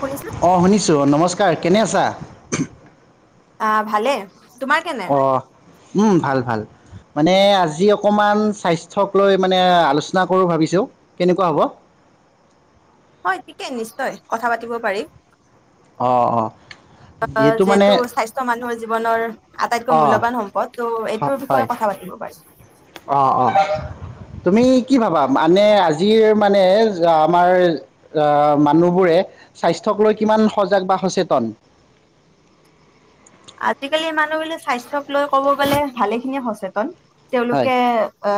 শুনিছা? অ শুনিছো নমস্কাৰ কেনে আছা আহ ভালে। তোমাৰ কেনে? অ উম ভাল ভাল মানে আজি অকল অকণমান স্বাস্থ্যক লৈ মানে আলোচনা কৰোঁ ভাবিছোঁ কেনেকুৱা হ'ব হয় ঠিকে নিশ্চয় কথা পাতিব পাৰি। অঁ অঁ যিহেতু স্বাস্থ্যয় মানুহৰ জীৱনৰ আটাইতকৈ অঁ মূল্যবান সম্পদ ত' এইটোৰ বিষয়ে কথা পাতিব পাৰি। অ অ তুমি কি ভাবা মানে আজিৰ মানে আমাৰ মানুহবোৰে স্বাস্থ্যক লৈ কিমান সজাগ বা সচেতন? আজিকালি মানুহবিলাক স্বাস্থ্যক লৈ কব গ'লে ভালেখিনি সচেতন। হয় তেওঁলোকে অ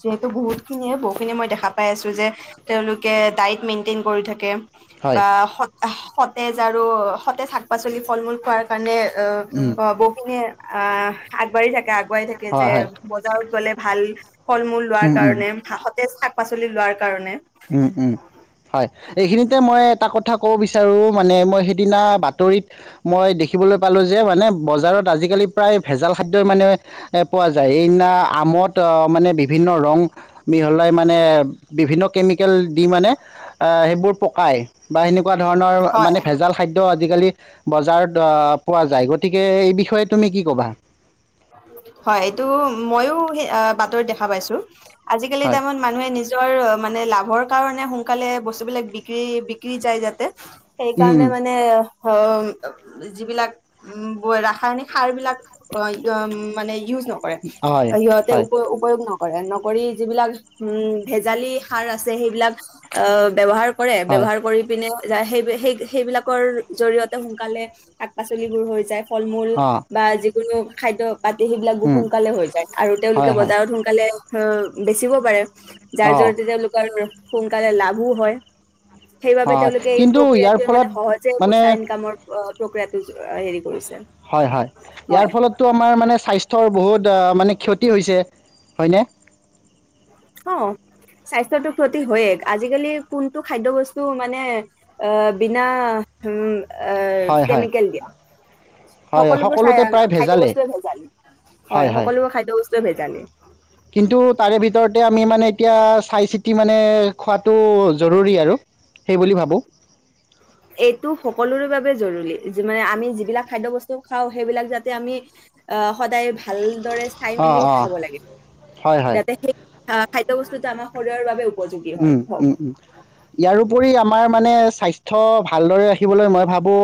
যিহেতু বহুত খিনিয়ে বহু খিনি মই দেখা পাই আছো যে তেওঁলোকে ডায়ট মেইনটেইন কৰি থাকে। হয় বা সত সতেজ আৰু সতেজ শাক পাচলি ফল মূল খোৱাৰ কাৰণে উম অ বকিঙে আছে অ আগবাঢ়ি থাকা। আগোৱাই থাকে হয় যে হয় বজাৰত গলে, ভাল, ফল মূল লোৱাৰ উম উম কাৰণে শাক পাচলি লোৱাৰ ক উম উম হয় এইখিনিতে মই এটা কথা ক'ব বিচাৰোঁ মানে মই সেইদিনা বাতৰিত মই দেখিবলৈ পালোঁ যে মানে বজাৰত আজিকালি প্ৰায় ভেজাল খাদ্যই মানে পোৱা যায় এইদিনা আমত মানে বিভিন্ন ৰং মিহলাই মানে বিভিন্ন। অ সেই পকাই সেনেকুৱা ধৰণৰ হয় মানে ভেজাল খাদ্য আজিকালি বজাৰত পোৱা যায় গতিকে এই বিষয়ে তুমি কি ক'বা? হয় এইটো মইয়ো সেই বাতৰি দেখা পাইছো। আজিকালিৰ হয়, টাইমত মানুহে নিজৰ মানে লাভ। লাভৰ কাৰণে সোনকালে বস্তু বিলাক বিক্ৰী বিক্ৰী যায় যাতে। উম, সেইকাৰণে উম, মানে অ যিবিলাক উ ৰাসায়নিক সাৰ বিলাক হয় উম মানে ইউজ নকৰে হয়, সিহতে হয়, উপয়োগ নকৰে। কৰে নকৰি যিবিলাক উম ভেজালি সাৰ আছে সেইবিলাক আহ ব্যৱহাৰ কৰে হয়, ব্যৱহাৰ কৰি পিনে সেই সেই সেইবিলাকৰ জৰিয়তে সোনকালে শাক পাচলিবোৰ হৈ যায় । ফল মূল অ', বা, যি কোনো খাদ্য পাতি সেইবিলাক বোৰ উম, সোনকালে হৈ যায় আৰু হয়, তেওঁলোকে হয়, বজাৰত সোনকালে অ বেচিব পাৰে । যাৰ অ'। জৰিতে তেওঁলোকৰ সোনকালেও লাভো হয়। সেইবাবে হয় তেওঁলোকে এই কিন্তু ইয়াৰ প্ৰক্ৰিয়াটোৱে মানে ফলত সহজে পইচা ইনকামৰ প্ৰক্ৰিয়াটো হেৰি কৰিছে হয়-হয়। ইয়াৰ হয় ফলতো আমাৰ মানে স্বাস্থ্য বহুত ফলত মানে ক্ষতি হৈছে হয় নে? অহ, স্বাস্থ্যতো ক্ষতি হয়ে আজিকালি কোনটো খাদ্য বস্তু মানে আহ বিনা উম হয় হয় কেমিকেল দিয়া। হয় সকলোবোৰ সকলোতে চ প্ৰায় খাদ্য ভেজালেই বস্তুৱে ভেজালী হয় সকলোবোৰ খাদ্য বস্তুৱে ভেজালী। কিন্তু তাৰে ভিতৰতে আমি মানে এতিয়া চাই চিতি মানে খোৱাটো জৰুৰী আৰু সেইবুলি ভাবোঁ। এইটো সকলোৰে বাবে জৰুৰী মানে আমি যিবিলাক খাদ্য বস্তু খাওঁ সেইবিলাক যাতে আমি আহ সদায় ভালদৰে চাই অঁ মেলি অঁ খাব লাগে, হয় যাতে সেই খাদ্য বস্তু আমাৰ শৰীৰৰ বাবে উপযোগী হয় হওক উম-উম-উম। ইয়াৰপৰি আমাৰ মানে স্বাস্থ্য ভালদৰে ৰাখিবলৈ মই ভাবো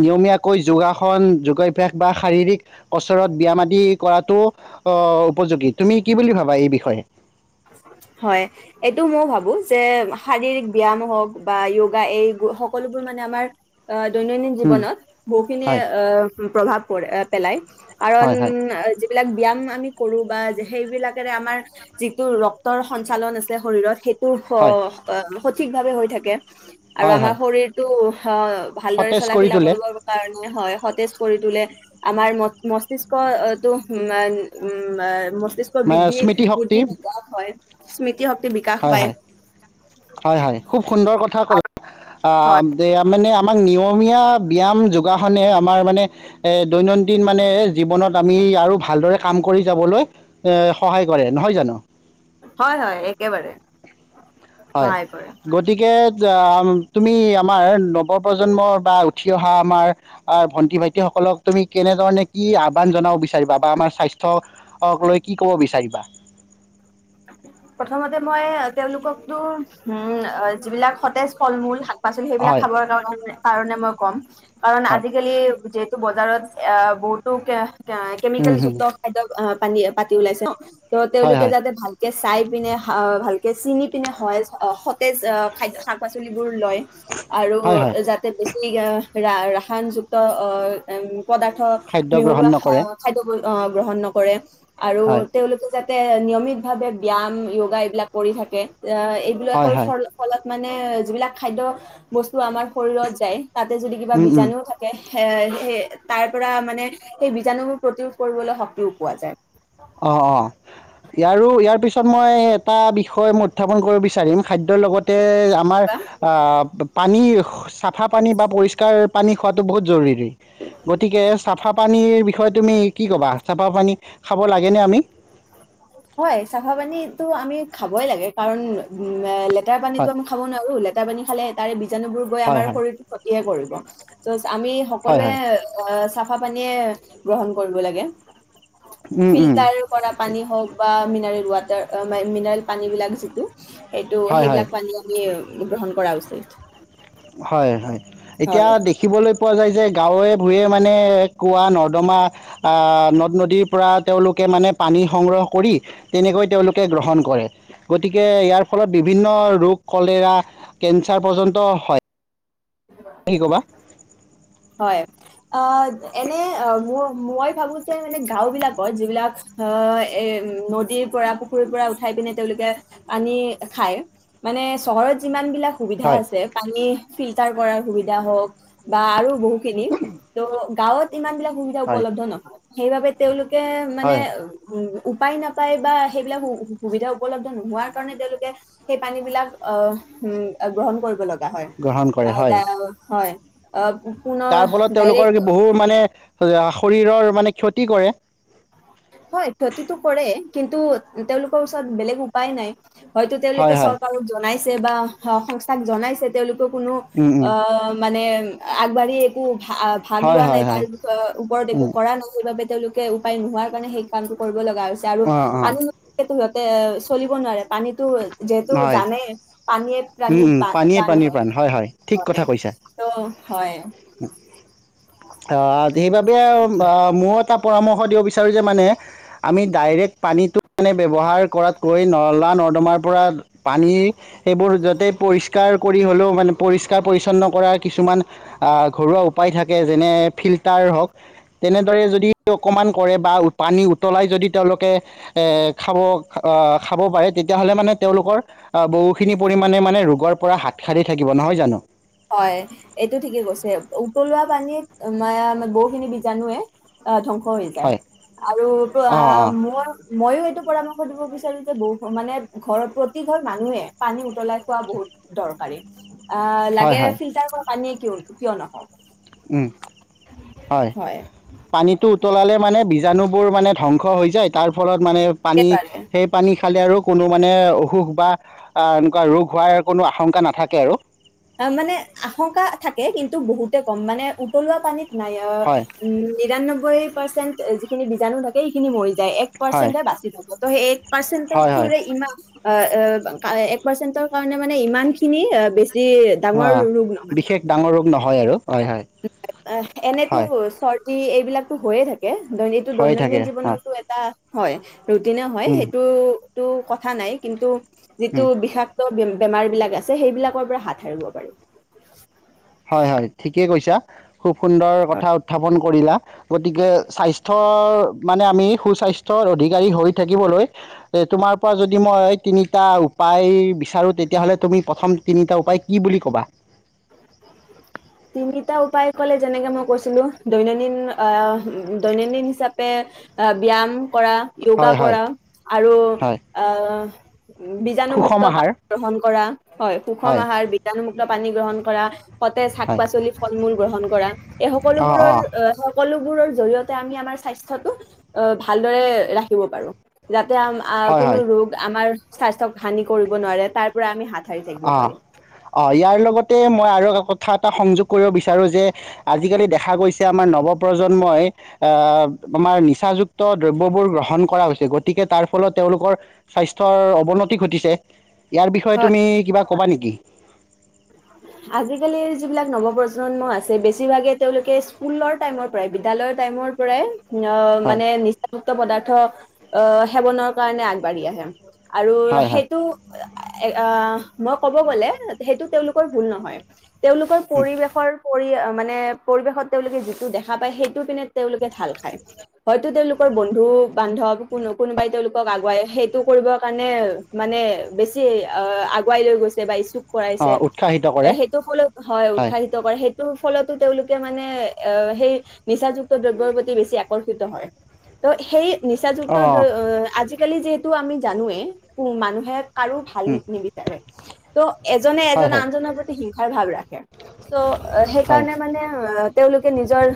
নিয়মীয়াকৈ যোগাসন যোগাঅভ্যাস বা শাৰীৰিক কচৰত ব্যায়াম আদি কৰাতটো উপযোগী। তুমি কি বুলি ভাবা এই বিষয়ে? হয় এইটো মই ভাবো যে শাৰীৰিক ব্যায়াম হওক বা যোগা এই সকলোবোৰ মানে আমাৰ অ দৈনন্দিন উম, জীৱনত বহুখিনি হয় প্ৰভাৱ পৰে, পেলায়। কাৰণ হয় হয় যিবিলাক ব্যয়ায়াম আমি কৰো বা সেইবিলাকেৰে আমাৰ যিটো ৰক্তৰ সঞ্চালন আছে শৰীৰত সেই শ হয় অ সঠিকভাৱে হৈ থাকে। আৰু হয় আমাৰ হয় শৰীৰটো অ ভালদৰে সতেজ চলাই কৰি ফিলা তোলে কৰিবৰ কাৰণে হয়। সতেজ কৰী তোলে। আমাৰ [unintelligible] উ মস্তিষ্ক মানে বিৃদ্ধি [inaudible] হয় স্মৃতি শক্তি বিকাশ পায় হয়-হয়, হয়-হয় খুব সুন্দৰ কথা ক'লে। হয় মানে আমাক নিয়মীয়া ব্যায়াম যোগাসনে আমাৰ মানে এ দৈনন্দিন মানে জীৱনত আমি আৰু ভালদৰে কাম কৰি যাবলৈ এ সহায় কৰে, নহয় জানো? হয়-হয় একেবাৰে। হয়, সহায় কৰে গতিকে তুমি আমাৰ নৱপ্ৰজন্মৰ বা উঠি অহা আমাৰ ভন্টি-ভাইটি সকলক তুমি কেনেধৰণে কি আহ্বান জনাব বিচাৰিবা বা আমাৰ স্বাস্থ্যক লৈ কি ক'ব বিচাৰিবা? প্ৰথমতে মই তেওঁলোকক তো উম যিবিলাক সতেজ ফল মূল, শাক পাচলি সেইবিল হয় খাবৰ কাৰণেে কাৰণে মই ক'ম। কাৰণ হয় আজিকালি যেত বজাৰত এয়া বহুতোকে সেয়াই উম কেমিকেল হম যুক্ত খাদ্য অপ পানী ইয়াৰ পৰা কিয় ওলাইছে? অঁ অ হয় তেওঁলোকে হয় যাতে ভাল এই চাই পিনে হাও ভালকে চিনি পিনে হয় অ সতেজ এ খাদ্য শাক- পাচলিবোৰ। লয় আৰু হয় হয় যাতে বেচিলিগা ৰা ৰাসায়নযুক্ত অ অ এম পদাৰ্থ খাদ্য গ্ৰহণ মিহলোৱা নকৰে খা-খাদ্যবোৰ। অ গ্ৰহণ নকৰে। আৰু হয় তেওঁলোকে যাত তেওঁ নিয়মিত ভাবে ব্যায়াম য়োগা এইবিলাক কৰি থাকে। অ হয় এইবিলাকৰ হয় ফল ফলত মানে যিবিলাক খাদ্য অহ্ বস্ এইটো আমাৰ শৰীৰত যায় তাতে যদি কিবা বীজাণুও থাকে সেয়াই সেই তাৰ পৰা মানে সেই বীজাণুবোৰ প্ৰতিৰোধ কৰিবলৈ শক্তিও পোৱা যায়। অ অ আ। ইয়াৰো ইয়াৰ পিছত মই এটা বিষয়ে মই উত্থাপন কৰিব বিচাৰিম খাদ্যৰ লগতে এই আমাৰ আ আ আ বপ্। পানী খস্ চাফা পানী বা পৰিষ্কাৰ পানী খোৱাটো বহুত জৰুৰী। এহ্ গতিকে চাফাপ পানীৰ বিষয়ে তুমি কি ক'বা চাফা পানী ইহ্। খাব লাগেনে আমি হয়, চাফা পানীতো আমি খাবই লাগে কাৰণ উ আহ লেত লেতেৰা পানীতো হয় আমি খাবও নোৱাৰো লেতেৰা পানী খালে এ তাৰে বিশ বীজাণুবোৰ গৈয়ে হয় আমাৰ হয় শৰীৰটো ক্ষতিহে কৰিব। ক ত স আমি হয় সকলোৱে হয় অ চাফ চাফা পানীয়ে গ্ৰহণ কৰিব লাগে। উম উম ফিল্টাৰ কৰা পানী হ হওক বা মিনাৰেল ৱাটাৰ অ মে মিনাৰেল পানীবিলাক যিটো। সেইটো হয় হয় সেইবিলাক পানী আমি গ্ৰহণ কৰা উচিত হয় হয় এতিয়া হয়। দেখিবলৈ পোৱা যায় যে গাঁৱে ভূঞে মানে কুঁৱা নৰ্দমা নদ নদীৰ পৰা তেওঁলোকে মানে পানী সংগ্ৰহ কৰি তেনেকৈ তেওঁলোকে গ্ৰহণ কৰে গতিকে ইয়াৰ ফলত বিভিন্ন ৰোগ কলেৰা কেন্সাৰ পৰ্যন্ত হয় কি ক'বা হয় অ এনে অ ম মই ভাবো যে মানে গাও বিলাকত যিবিলাক আহ এ নদীৰ পৰা পুখুৰীৰ পৰা উঠাই পিনে তেওঁলোকে পানী খায় মানে চহৰত যিমান বিলাক সুবিধা হয় আছে পানী ছিল ন্তা কৰাৰ সুবিধা হক বা আৰু বহুখিনি ত গাঁৱত ইমান বিলাক সুবিধা হয় উপলব্ধ নহয় সেইবাবে তেওঁলোক কে মানে হয় উম উপায় নাপায় বা সেইবিলাক সুবিধা উপলব্ধ নোহোৱাৰ কাৰণে তেওঁলোকে সেই পানী বিলাক আহ উ গ্ৰহণ কৰিব লগ গা হয় গ্ৰহণ কৰে আও হয় দাওহয় অ তাৰ ফলত তেওঁলোকৰ বহুত মানে অ শৰীৰৰ মানে ক্ষতি কৰে হয় ক্ষতিতটো কৰেই কিন্তু তেওঁলোকৰ ওচৰত বেলেগ উপায় নাই হয়তো তেওঁলোকে হয় হয় চৰকাৰক জনাইছে চে বা সংস্থাক জনাইছে তেওঁলোকে কোনো উম উম অ মানে আগবাঢ়ি একো ভ ভাগ হয় লোৱা নাই হয় হয় তাৰৰ ওপৰত একো উম কৰা নাই সেইবাবে তেওঁলোকে উপায় নোহোৱাৰ কা ৰণে সেই কামটো কৰিব লগা হৈছে আৰু অ অ আমি মানুহে ধৰক এ চলিব নোৱাৰে পানীতো হয় হম হম পানীয়ে প্ৰাণীৰ প্ৰাণ হয় হয় ঠিক কথা কৈছা ত' হয় সেইবাবে মো এটা পৰামৰ্শ দিব বিচাৰোঁ যে মানে আমি ডাইৰেক্ট পানীটো মানে ব্যৱহাৰ কৰাতকৈ নলা নৰ্দমাৰ পৰা পানী সেইবোৰ য'তেই পৰিষ্কাৰ কৰি হ'লেও মানে পৰিষ্কাৰ পৰিচ্ছন্ন কৰাৰ কিছুমান ঘৰুৱা উপায় থাকে যেনে ফিল্টাৰ হওক তেনেদৰে যদি অকণমান কৰে বা পানী উতলাই যদি তেওঁলোকে খাব খাব পাৰে তেতিয়াহ'লে মানে তেওঁলোকৰ আহ বহুখিনি পৰিমাণে মানে ৰোগৰ পৰা হাত সাৰি থাকিব নহয় জানো হয় এইটো ঠিকে কৈছে উতলোৱা পানীত ম বহুখিনি বীজাণুৱে ধংস হৈ যায় হয় আৰু তোৰ অঁ অঁ মইয়ো এইটো পৰা মই সুধিব বিচাৰো যে ব মানে প্ৰতি ঘৰ মানুহে পানী উতলাই খোৱা বহুত দৰকাৰী আ হয় এ হয় ফিল্টাৰ কৰা পানী কো কিয় নাখাওঁ টো উতলালে হয় পানীটো উতলালে মানে বীজ বিজাণুবোৰ মানে ধ্বংস হৈ যায় তাৰ ফলত মানে পানী একেবাৰে সেই পানী খালে আৰু কোনো মানে অসুখ বা এনেকুৱা ৰোগ হোৱাৰ কোনো আশংকা নাথাকে আৰু। অ মানে আশংকা থাকে, কিন্তু বহুতে কম মানে উতলোৱা পানীত। নাই হয় উ নিৰান্নব্বৈ পাৰ্চেণ্ট যিখিনি বীজাণু থাকে সিখিনি মৰি যায়। য় এক হয় পাৰ্ছেন্ত বাছি যায়। ত এক পৰ্ছেন্ত হয় হয় ইমান এক পাৰ্চেণ্ট কাৰণে মানে ইমান খিনি বেছি হ ডাঙৰ ৰোগ নহয় বিশেষ ডাঙৰ ৰোগ নহয় আৰু। হয় হয় এনেতো হয় চ এইবিলাকতো হৈয়ে থাকে। এইটো হৈ দৈনন্দিন থাকে হয় জীৱনতো এটা। হয় ৰুটিনে হয় উম সেইটো তটো কথা নাই কিন্তু উম যিটো বিষাক বেমাৰ বিলাক আছে সেইবিলাকৰ পৰা হাত সাৰিব পাৰি হয় হয় ঠিকে কৈছা খুব সুন্দৰ কথা উত্থাপন কৰিলা গতিকে স্বাস্থ্যৰ মানে আমি সুস্বাস্থ্যৰ অধিকাৰী হৈ থাকিবলৈ তোমাৰ পৰা যদি মই তিনিটা উপায় বিচাৰো তেতিয়া হলে তুমি প্ৰথম তিনি উপায় কি বুলি ক'বা। তিনিটা উপায় কলে যেনেকে মই কৈছিলো দৈনন্দিন আহ দৈনন্দিন হিচাপে আহ ব্যায়াম। কৰা য়োগা হয় হয় কৰা আৰু হয় আহ বীজাণুমুক্ত সুষম পা আহাৰ গ্ৰহণ কৰা হয় সুষম আহাৰ বীজাণুমুক্ত। পানী গ্ৰহণ কৰা সতেজ শাক হয় পাচলি ফল মূল গ্ৰহণ কৰা এই অঁ সকলোবোৰৰ অঁ সকলো। জৰিয়তে আমি আমাৰ স্বাস্থ্যটো ভাল দৰে ৰাখিব পাৰো। আ হয় কোনো হয় ৰোগ আমাৰ। স্বাস্থ্যক হানি কৰিব নোৱাৰে তাৰ পৰা আমি হাত। সাৰি থাকিব অ পাৰো হয় অ ইয়াৰ লগত লগতে মই আৰু কথা এটা সংযোগ কৰিব বিচাৰো যে আজিকালি দেখা গৈছে আমাৰ নৱপ্ৰজন্মই আহ আমাৰ নিচাযুক্ত দ্ৰব্যবোৰ গ্ৰহণ কৰা হৈছে গতিকে তাৰ ফলত তেওঁলোকৰ স্বাস্থ্যৰ অৱনতি ঘটিছে। ইয়াৰ বিষয়ে তুমি। ক'বা নেকি? আজিকালিৰ যিবিলাক নৱপ্ৰজন্ম আছে বেছিভাগে তেওঁলোকে স্কুলৰ টাইমৰ পৰাই বিদ্যালয় টাইমৰ পৰাই অ হয় মানে নি যুক্ত পদাৰ্থ আহ সেৱনৰ কাৰণে আগবাঢ়ি আহে। আৰু হয় হয় সেইটো এ অ মই ক'ব গ'লে সেইটো তেওঁলোকৰ ভুল নহয়। তেওঁলোকৰ পৰিৱেশৰ পৰি মানে পৰিৱেশত তেওঁলোকে যিটো দেখা পায় সেইটো পিনে তেওঁলোকে ঢাল খায়, হয়তো তেওঁলোকৰ বন্ধু-বান্ধৱ কোনো-কোনোবাই তেওঁলোকক আগুৱাই সেইটো কৰিবৰ কাৰণে মানে বেছি আহ আগুৱাই লৈ গৈছে বা ইচ্ছুক অ কৰাইছে উৎসাহিত কৰে সেইটো ফলত হয়, উৎসাহিত কৰে সেই ফলতো তেওঁলোকে মানে অ সেই নিচাযুক্ত দ্ৰব্যৰ প্ৰতি বেছি আকৰ্ষিত হয়। ত সেই নিচাযুক্ত অ দ্ৰঅ আজি আলি যিহেতু আমি জানোৱে মানুহে কাৰো ভাল উম নিবিচাৰে ত' হয় এজনে-এজন হয় আনজনৰ প্ৰতি হিংসাৰ ভাৱ ৰাখে। চ' হয় সেইকাৰণে মানে অ তেওঁলোকে নিজৰ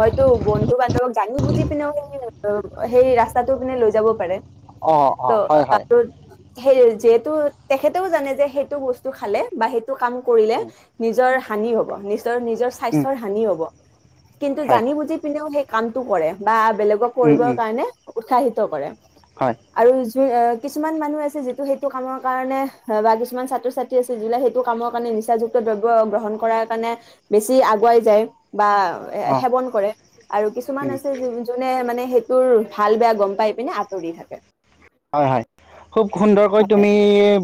হয় বন্ধু-বান্ধৱক জানি বুজি পিনেও সেই ৰাস্তাটো পিনে লৈ যাব পাৰে। ত' অঁ-অঁ, হয়-হয়। আৰু সেই যিহেতু তেখেতেও জানে যে সেইটো বস্তু খালে, বাহ সেই কাম কৰিলে উম নিজৰ হানি হ'ব, নিশ্চ তৰ নিজৰ উম স্বাস্থ্যৰ হানি হ'ব। কিন্তু হয় জানি বুজি পিনেও সেই কামটো কৰে বা বেলেগক উম কৰিবৰ উম কাৰণে উৎসাহিত কৰে। হয় আৰু কিছুমান মানুহ আছে, যিটো সেইটো কামৰ কাৰণে বা কিছুমান ছাত্ৰ-ছাত্ৰী কি আছিল জোনেহে সেইটো কামৰ কাৰণে নিচাযুক্ত দ্ৰব্য গ্ৰহণ কৰাৰ কাৰণে বেছি আগুৱাই যায়। বা অ সেৱন কৰে আৰু উম কিছুমান আছে জোনে মানে সেইটোৰ ভাল বেয়া গম পাই পিনে আঁতৰি থাকে। হয়-হয় খুব সুন্দৰকৈ হয় তুমি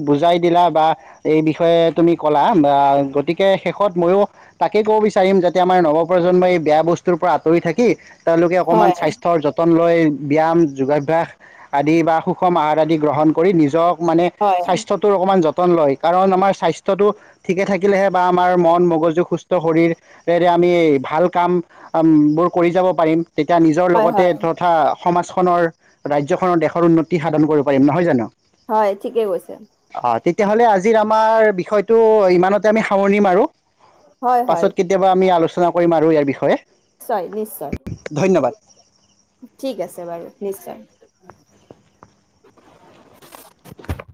বুজাই দিলা বা এই বিষয়ে তুমি কলা বা গতিকে শেষত ময়ো তাকে কব বিচাৰিম যাতে আমাৰ নৱপ্ৰজন্মই এই বেয়া বস্তুৰ পৰা আঁতৰি থাকি তেওঁলোকে অকণমান হয় স্বাস্থ্যৰ যতন লৈ ব্যায়াম যোগাভ্যাস আদি বা সু সুষম আহাৰ আদি গ্ৰহণ কৰি নিজক মানে হয় স্বাস্থ্যতো অকণমান যত যতন লয় কাৰণ আমাৰ স্বাস্থ্যটো ঠিকে থাকিলেহে বা আমাৰ মন মগজু সুস্থ শৰীৰে আমি ভাল কামবোৰ কৰি যাব পাৰিম। তেতিয়া নিজৰ হয় লগতে হয় তথা সমাজখনৰ ৰাজ্যখনৰ দেশৰ উন্ন তি সাধন কৰিব পাৰিম নহয় জানো? হয় ঠিকেই কৈছে। অ তেতিয়াহ'লে আজিৰ আমাৰ বিষয়টো ইমানতে আমি সামৰণি মাৰু। হয় হয় পাছত কেতিয়াবা আমি আলোচ আলোচনা কৰিম আৰু ইয়াৰ বিষয়ে। নিশ্চয় নিশ্চয়। ধন্যবাদ ঠিক আছে বাৰু নিশ্চয়।